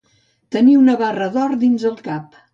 Tenir una barra d'or dins el cap.